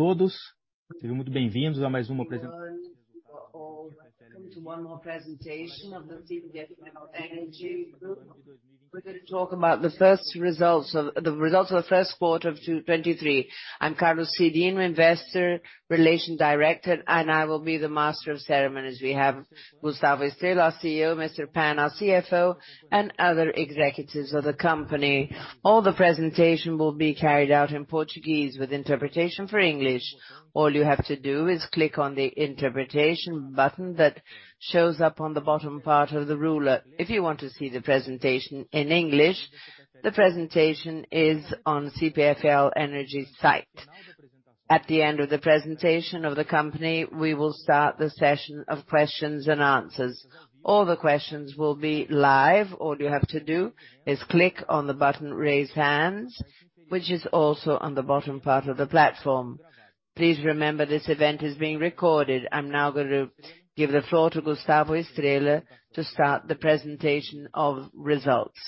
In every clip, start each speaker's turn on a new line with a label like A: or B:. A: Todos, seja muito bem-vindo a mais uma Welcome to one more presentation of the CPFL Energia Group. We're going to talk about the results of the first quarter of 2023. I'm Carlos Cyrino, Investor Relations Director, I will be the master of ceremonies. We have Gustavo Estrella, our CEO, Mr. Pan, our CFO, other executives of the company. All the presentation will be carried out in Portuguese with interpretation for English. All you have to do is click on the interpretation button that shows up on the bottom part of the ruler. If you want to see the presentation in English, the presentation is on CPFL Energia site. At the end of the presentation of the company, we will start the session of questions and answers. All the questions will be live. All you have to do is click on the button Raise Hands, which is also on the bottom part of the platform. Please remember this event is being recorded. I'm now gonna give the floor to Gustavo Estrella to start the presentation of results.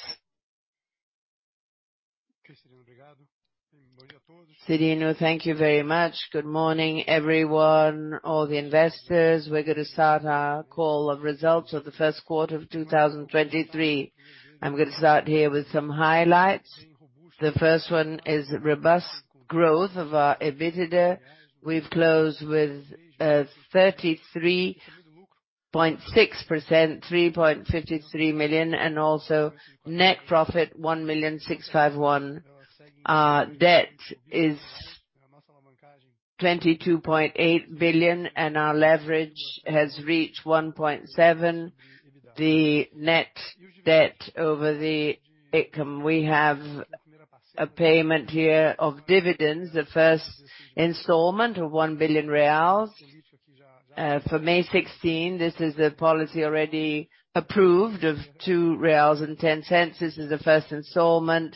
B: Cyrino, thank you very much. Good morning, everyone, all the investors. We're gonna start our Call of Results of the First Quarter of 2023. I'm gonna start here with some highlights. The first one is robust growth of our EBITDA. We've closed with 33.6%, 3.53 million, and also net profit, 1,000,651. Debt is 22.8 billion, and our leverage has reached 1.7. The net debt over the EBITDA. We have a payment here of dividends, the first installment of 1 billion reais, for May 16. This is the policy already approved of 2.10 reais. This is the first installment,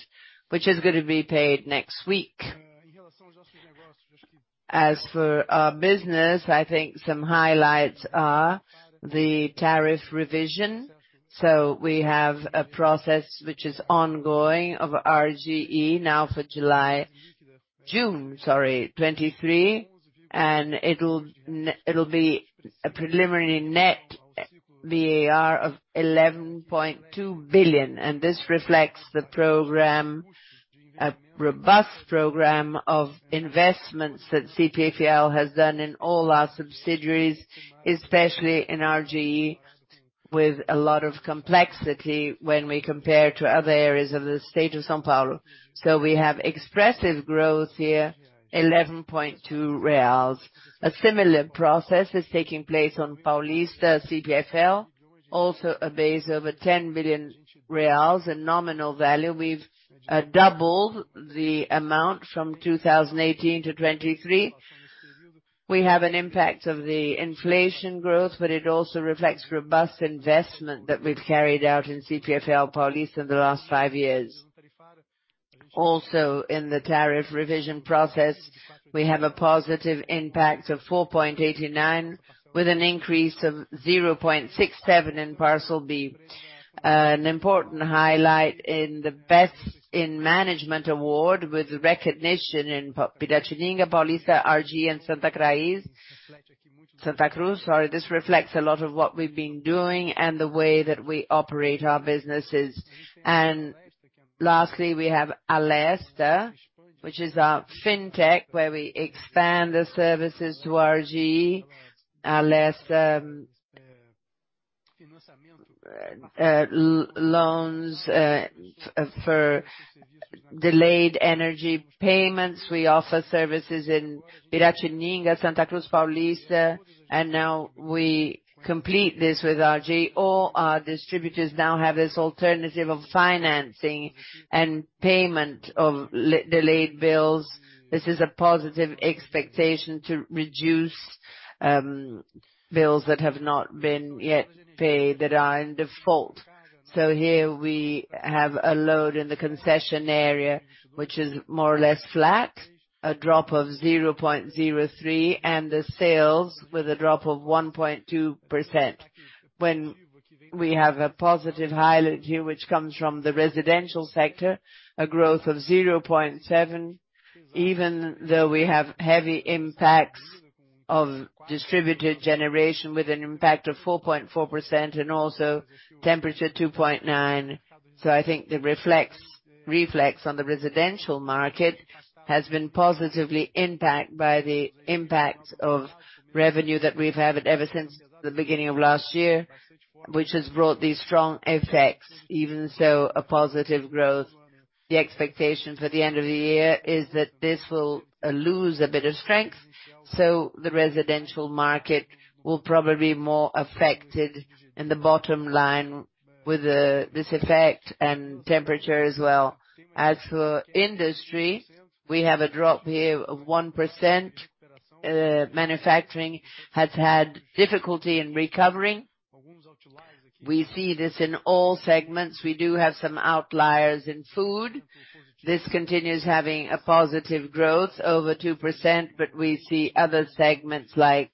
B: which is going to be paid next week. Our business, I think some highlights are the tariff revision. We have a process which is ongoing of RGE now for June 2023, and it'll be a preliminary Net Var of 11.2 billion. This reflects the program, a robust program of investments that CPFL has done in all our subsidiaries, especially in RGE, with a lot of complexity when we compare to other areas of the state of São Paulo. We have expressive growth here, 11.2 reais. A similar process is taking place on CPFL Paulista, also a base over 10 billion reais in nominal value. We've doubled the amount from 2018-2023. We have an impact of the inflation growth. It also reflects robust investment that we've carried out in CPFL Paulista in the last five years. Also, in the tariff revision process, we have a positive impact of 4.89, with an increase of 0.67 in Parcel B. An important highlight in the Best in Management Award, with recognition in Piratininga, Paulista, RGE, and Santa Cruz. This reflects a lot of what we've been doing and the way that we operate our businesses. Lastly, we have Alesta, which is our fintech, where we expand the services to RGE. Alesta, loans for delayed energy payments. We offer services in Piratininga, Santa Cruz, Paulista, and now we complete this with RGE. All our distributors now have this alternative of financing and payment of delayed bills. This is a positive expectation to reduce bills that have not been yet paid, that are in default. Here we have a load in the concession area, which is more or less flat, a drop of 0.03%, and the sales with a drop of 1.2%. We have a positive highlight here, which comes from the residential sector, a growth of 0.7%, even though we have heavy impacts of distributed generation with an impact of 4.4% and also temperature 2.9. I think the reflex on the residential market has been positively impact by the impact of revenue that we've had ever since the beginning of last year, which has brought these strong effects, even so a positive growth. The expectation for the end of the year is that this will lose a bit of strength. The residential market will probably be more affected in the bottom line with this effect and temperature as well. As for industry, we have a drop here of 1%. Manufacturing has had difficulty in recovering. We see this in all segments. We do have some outliers in food. This continues having a positive growth over 2%, but we see other segments like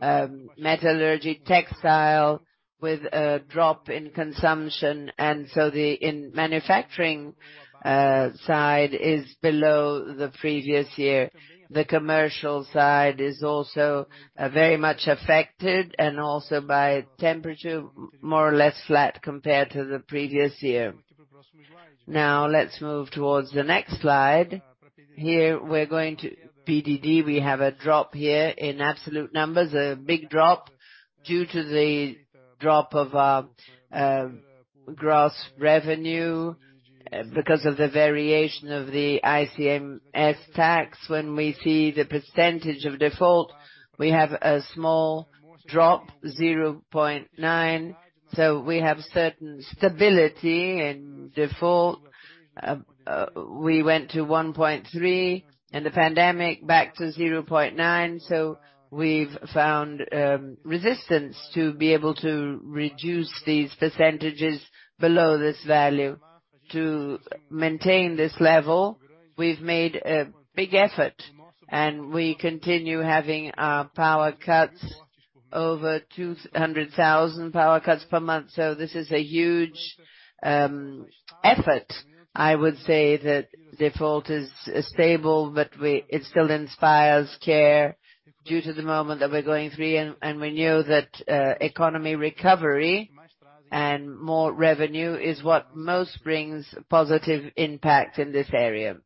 B: metallurgy, textile with a drop in consumption. The manufacturing side is below the previous year. The commercial side is also very much affected, and also by temperature, more or less flat compared to the previous year. Let's move towards the next slide. Here we're going to PDD. We have a drop here in absolute numbers, a big drop due to the drop of gross revenue because of the variation of the ICMS tax. When we see the percentage of default, we have a small drop, 0.9%. We have certain stability in default. We went to 1.3%, in the pandemic, back to 0.9%. We've found resistance to be able to reduce these percentages below this value. To maintain this level, we've made a big effort, and we continue having our power cuts over 200,000 power cuts per month. This is a huge effort. I would say that default is stable, but it still inspires care due to the moment that we're going through. We know that economy recovery and more revenue is what most brings positive impact in this area.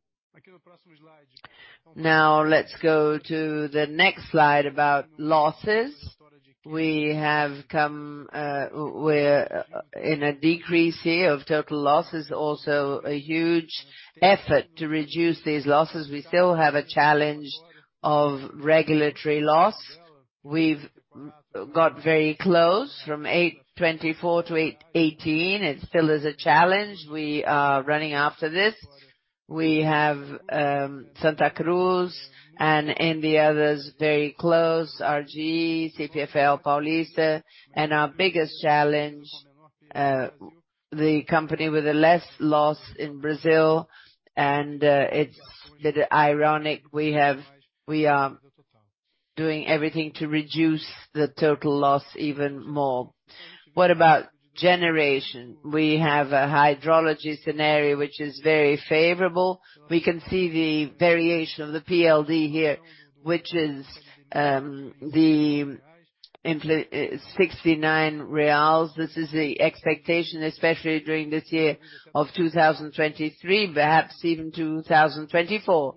B: Now let's go to the next slide about losses. We have come, we're in a decrease here of total losses, also a huge effort to reduce these losses. We still have a challenge of regulatory loss. We've got very close, from 8.24 to 8.18. It still is a challenge. We are running after this. We have Santa Cruz and in the others, very close, RGE, CPFL Paulista, and our biggest challenge, the company with the less loss in Brazil. It's a bit ironic we are doing everything to reduce the total loss even more. What about generation? We have a hydrology scenario which is very favorable. We can see the variation of the PLD here, which is 69 reais. This is the expectation, especially during this year of 2023, perhaps even 2024.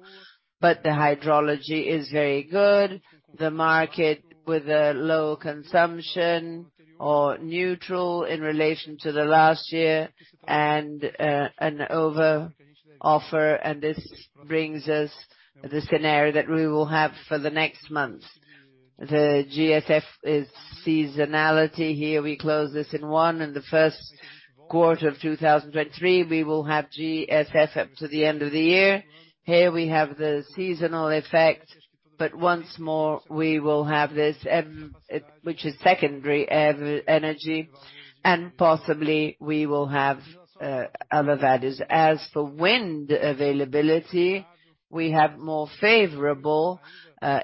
B: The hydrology is very good. The market with a low consumption or neutral in relation to the last year and an overoffer, and this brings us the scenario that we will have for the next months. The GSF is seasonality. Here we close this in 1. In the 1st quarter of 2023, we will have GSF up to the end of the year. Here we have the seasonal effect, but once more we will have this which is secondary energy, and possibly we will have other values. As for wind availability, we have more favorable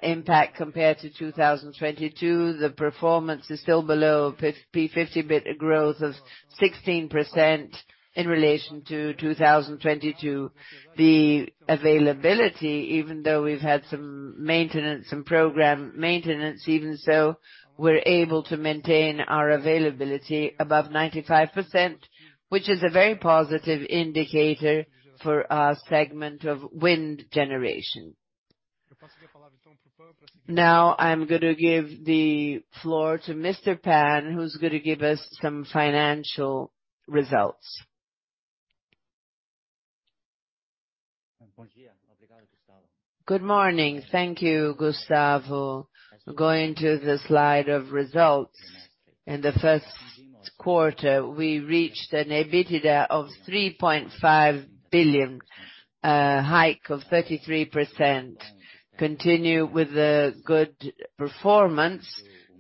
B: impact compared to 2022. The performance is still below P50, a growth of 16% in relation to 2022. The availability, even though we've had some maintenance, some program maintenance, even so, we're able to maintain our availability above 95%, which is a very positive indicator for our segment of wind generation. I'm gonna give the floor to Mr. Pan, who's gonna give us some financial results.
C: Good morning. Thank you, Gustavo. Going to the slide of results. In the first quarter, we reached an EBITDA of 3.5 billion, a hike of 33%. Continue with the good performance.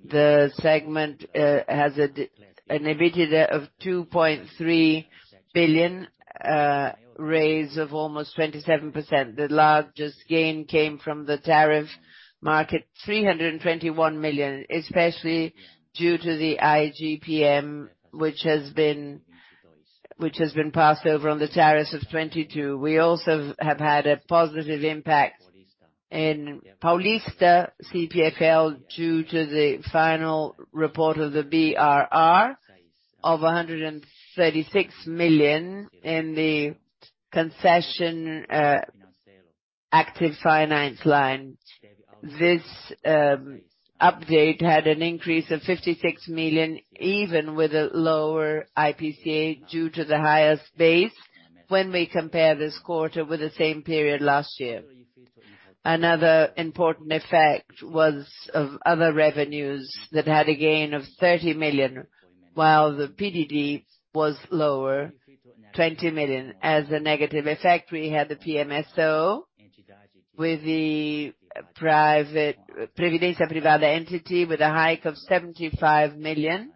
C: The segment has an EBITDA of 2.3 billion, a raise of almost 27%. The largest gain came from the tariff market, 321 million, especially due to the IGPM, which has been passed over on the tariffs of 2022. We also have had a positive impact in CPFL Paulista due to the final report of the BRR of 136 million in the concession active finance line. This update had an increase of 56 million, even with a lower IPCA due to the highest base when we compare this quarter with the same period last year. Another important effect was of other revenues that had a gain of 30 million, while the PDD was lower, 20 million. As a negative effect, we had the PMSO with the private Previdência Privada entity with a hike of 75 million,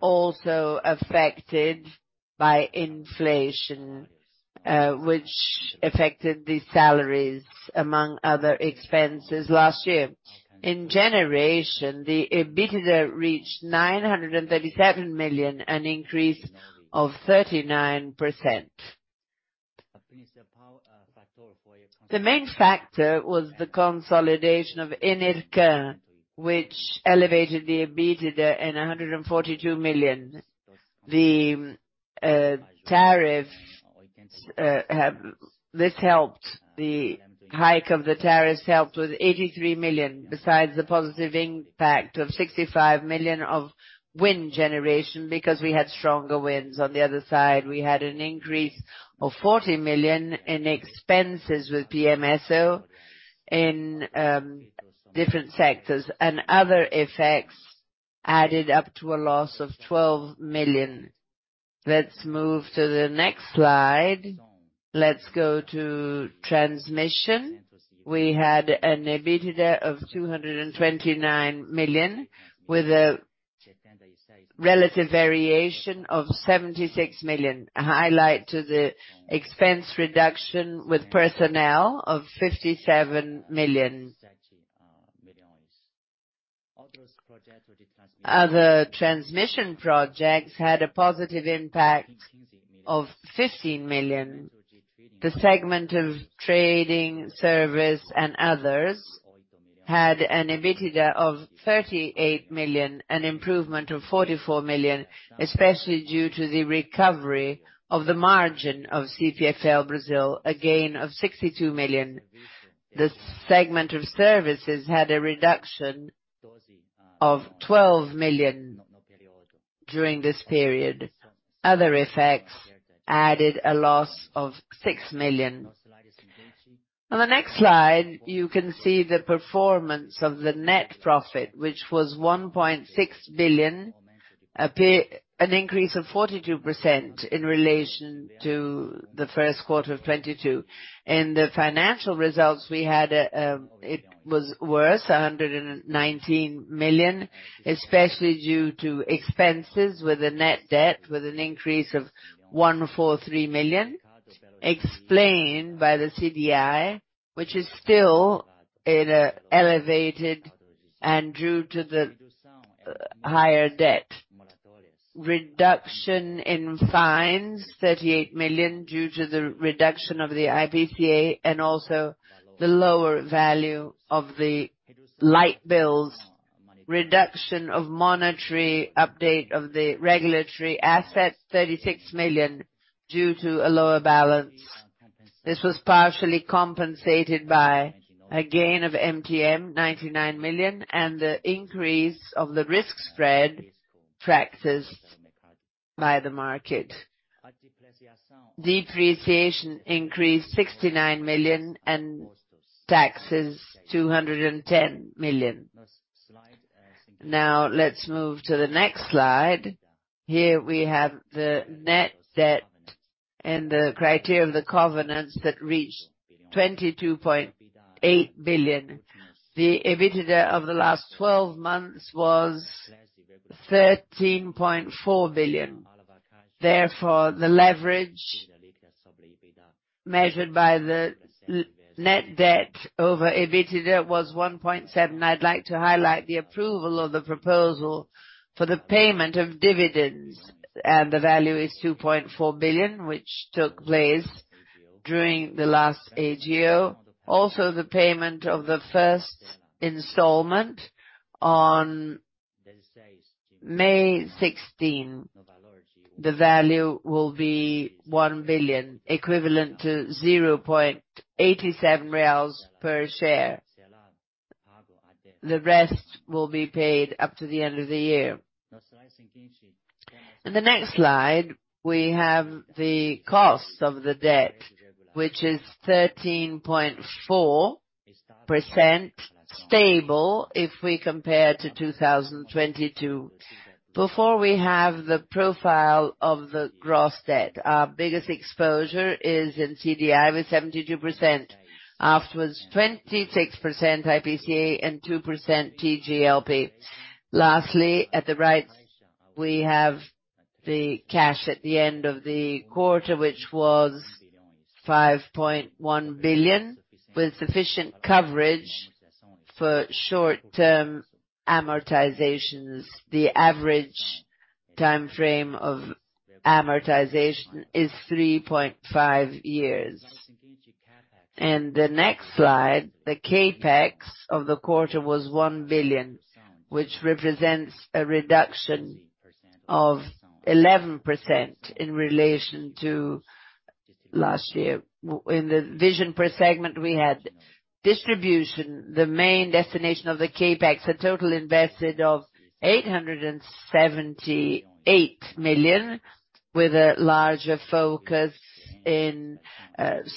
C: also affected by inflation, which affected the salaries among other expenses last year. In generation, the EBITDA reached 937 million, an increase of 39%. The main factor was the consolidation of Enel Green, which elevated the EBITDA 142 million. This helped. The hike of the tariffs helped with 83 million, besides the positive impact of 65 million of wind generation because we had stronger winds. On the other side, we had an increase of 40 million in expenses with PMSO in different sectors, and other effects added up to a loss of 12 million. Let's move to the next slide. Let's go to transmission. We had an EBITDA of 229 million, with a relative variation of 76 million. A highlight to the expense reduction with personnel of 57 million. Other transmission projects had a positive impact of 15 million. The segment of trading, service, and others had an EBITDA of 38 million, an improvement of 44 million, especially due to the recovery of the margin of CPFL Brasil, a gain of 62 million. The segment of services had a reduction of 12 million during this period. Other effects added a loss of 6 million. On the next slide, you can see the performance of the net profit, which was 1.6 billion, an increase of 42% in relation to the first quarter of 2022. In the financial results we had, it was worse, 119 million, especially due to expenses with the net debt, with an increase of 143 million explained by the CDI, which is still at elevated and due to the higher debt. Reduction in fines, 38 million, due to the reduction of the IPCA and also the lower value of the light bills. Reduction of monetary update of the regulatory assets, 36 million, due to a lower balance. This was partially compensated by a gain of MTM, 99 million, and the increase of the risk spread practiced by the market. Depreciation increased 69 million and taxes, 210 million. Let's move to the next slide. Here we have the net debt and the criteria of the covenants that reached 22.8 billion. The EBITDA of the last 12 months was 13.4 billion. The leverage measured by the net debt over EBITDA was 1.7. I'd like to highlight the approval of the proposal for the payment of dividends, the value is 2.4 billion, which took place during the last AGO. The payment of the first installment on May 16. The value will be 1 billion, equivalent to 0.87 reais per share. The rest will be paid up to the end of the year. In the next slide, we have the cost of the debt, which is 13.4%, stable if we compare to 2022. Before we have the profile of the gross debt, our biggest exposure is in CDI with 72%, afterwards, 26% IPCA and 2% TJLP. Lastly, at the right, we have the cash at the end of the quarter, which was 5.1 billion, with sufficient coverage for short-term amortizations. The average timeframe of amortization is 3.5 years. In the next slide, the CapEx of the quarter was 1 billion, which represents a reduction of 11% in relation to last year. In the vision per segment, we had distribution, the main destination of the CapEx, a total invested of 878 million, with a larger focus in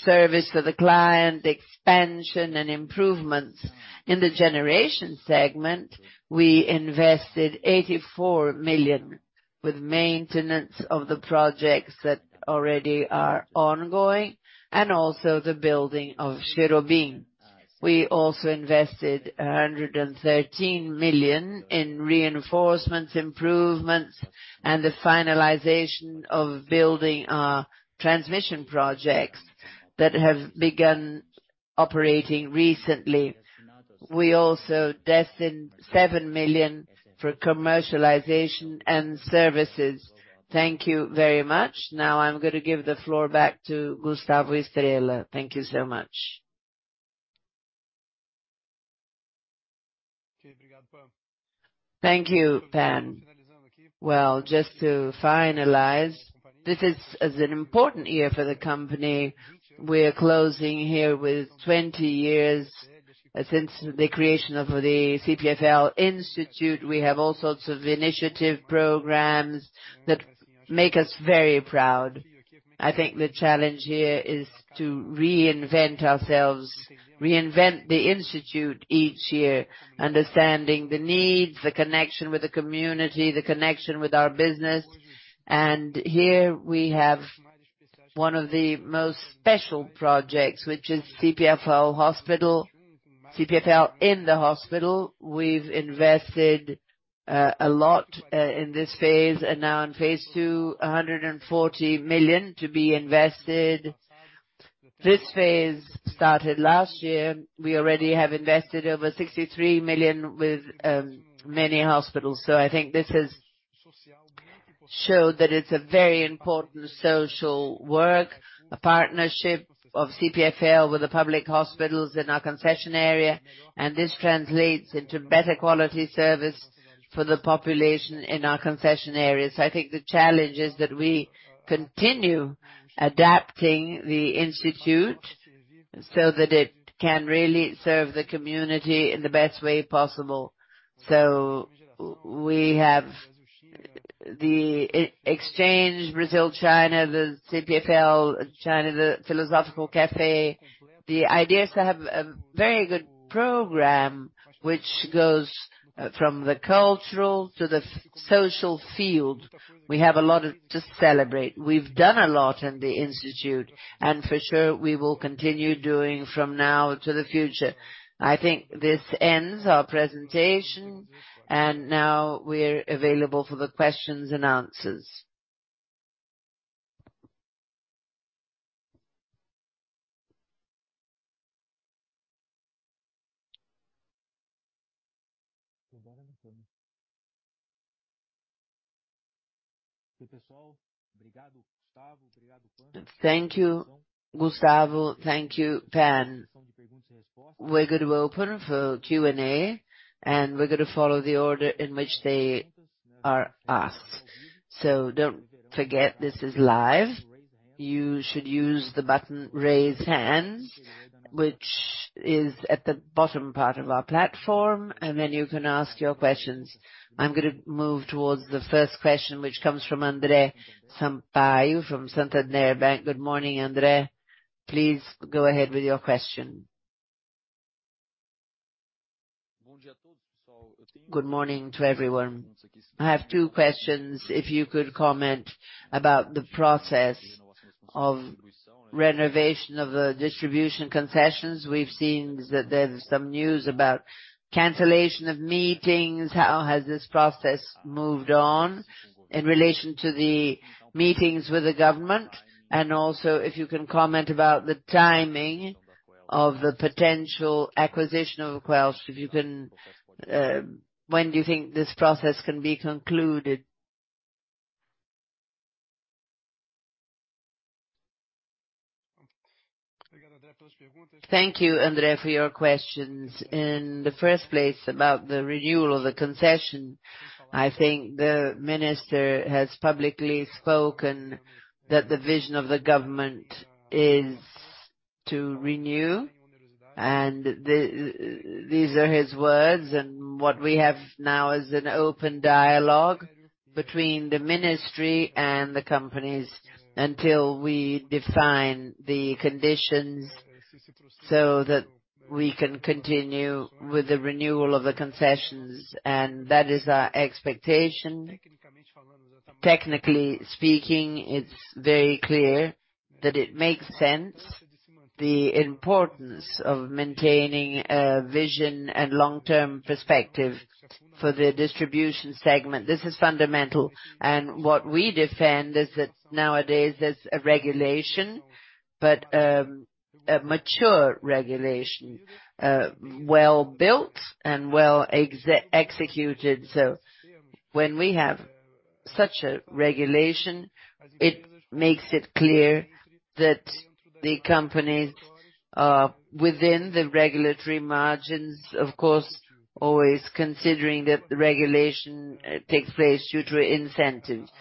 C: service to the client, expansion and improvements. In the generation segment, we invested 84 million with maintenance of the projects that already are ongoing and also the building of Cherobim. We also invested 113 million in reinforcements, improvements, and the finalization of building our transmission projects that have begun operating recently. We also destined 7 million for commercialization and services. Thank you very much. Now I'm gonna give the floor back to Gustavo Estrella. Thank you so much.
B: Thank you, Pan. Well, just to finalize, this is an important year for the company. We're closing here with 20 years since the creation of the CPFL Institute. We have all sorts of initiative programs that make us very proud. I think the challenge here is to reinvent ourselves, reinvent the Institute each year, understanding the needs, the connection with the community, the connection with our business. Here we have one of the most special projects, which is CPFL Hospital, CPFL in the Hospital. We've invested a lot in this phase, and now in phase 2, 140 million to be invested. This phase started last year. We already have invested over 63 million with many hospitals. I think this has showed that it's a very important social work, a partnership of CPFL with the public hospitals in our concession area, and this translates into better quality service for the population in our concession areas. I think the challenge is that we continue adapting the Institute so that it can really serve the community in the best way possible. We have the exchange, Brazil-China, the CPFL, China, the Café Filosófico CPFL. The idea is to have a very good program which goes from the cultural to the social field. We have a lot to celebrate. We've done a lot in the Instituto CPFL, for sure, we will continue doing from now to the future. I think this ends our presentation, now we're available for the questions and answers.
A: Thank you, Gustavo. Thank you, Pan. We're gonna open for Q&A, we're gonna follow the order in which they are asked. Don't forget this is live. You should use the button raise hand, which is at the bottom part of our platform, you can ask your questions. I'm gonna move towards the first question, which comes from André Sampaio from Santander Bank. Good morning, André. Please go ahead with your question.
D: Good morning to everyone. I have two questions. If you could comment about the process of renovation of the distribution concessions. We've seen that there's some news about cancellation of meetings. How has this process moved on in relation to the meetings with the government? Also, if you can comment about the timing of the potential acquisition of Celesc. When do you think this process can be concluded?
B: In the first place, about the renewal of the concession, I think the minister has publicly spoken that the vision of the government is to renew. These are his words, and what we have now is an open dialogue between the ministry and the companies until we define the conditions so that we can continue with the renewal of the concessions, and that is our expectation. Technically speaking, it's very clear that it makes sense, the importance of maintaining a vision and long-term perspective for the distribution segment. This is fundamental. What we defend is that nowadays, there's a regulation, but a mature regulation, well-built and well executed. When we have such a regulation, it makes it clear that the companies are within the regulatory margins, of course, always considering that the regulation takes place due to incentives.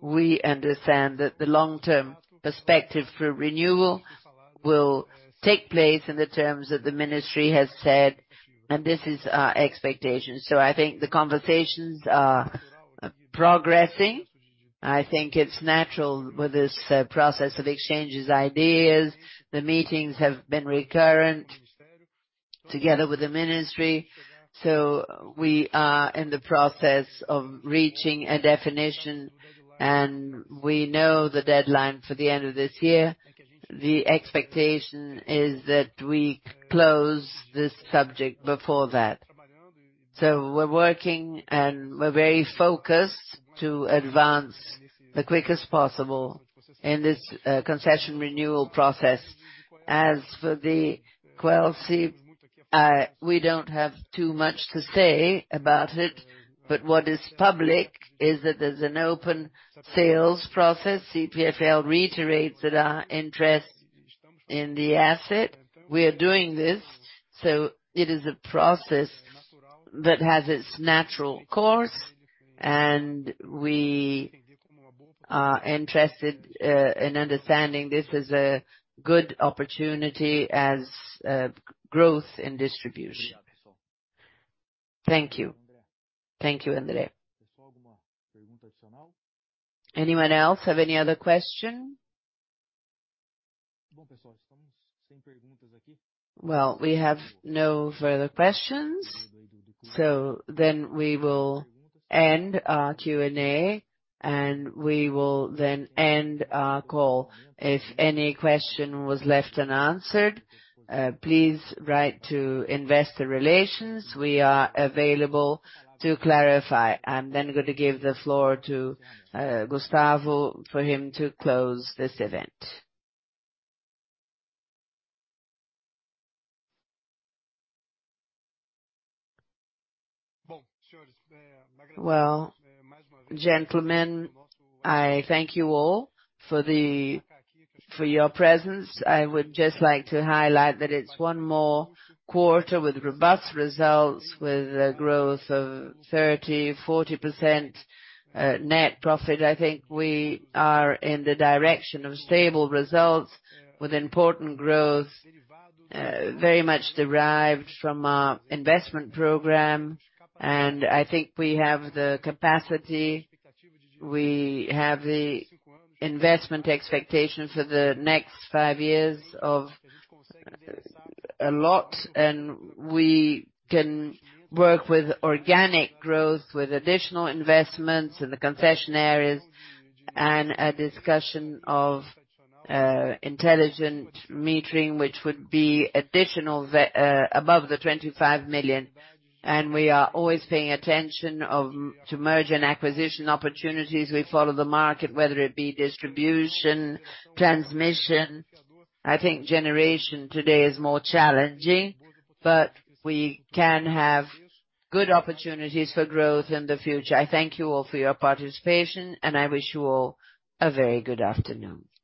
B: We understand that the long-term perspective for renewal will take place in the terms that the ministry has said, and this is our expectation. I think the conversations are progressing. I think it's natural with this process of exchanges ideas. The meetings have been recurrent. Together with the ministry. We are in the process of reaching a definition, and we know the deadline for the end of this year. The expectation is that we close this subject before that. We're working, and we're very focused to advance as quick as possible in this concession renewal process. As for the Celesc, we don't have too much to say about it, but what is public is that there's an open sales process. CPFL reiterates that our interest in the asset. We are doing this, it is a process that has its natural course, and we are interested in understanding this as a good opportunity as growth in distribution.
D: Thank you.
B: Thank you, André.
A: Anyone else have any other question? Well, we have no further questions, we will end our Q&A, and we will then end our call. If any question was left unanswered, please write to investor relations. We are available to clarify. I'm then gonna give the floor to Gustavo for him to close this event.
B: Well, gentlemen, I thank you all for your presence. I would just like to highlight that it's one more quarter with robust results, with a growth of 30%, 40% net profit. I think we are in the direction of stable results with important growth, very much derived from our investment program, and I think we have the capacity, we have the investment expectation for the next five years of a lot, and we can work with organic growth, with additional investments in the concession areas and a discussion of intelligent metering, which would be additional above the 25 million. We are always paying attention to merger and acquisition opportunities. We follow the market, whether it be distribution, transmission. I think generation today is more challenging, but we can have good opportunities for growth in the future. I thank you all for your participation. I wish you all a very good afternoon.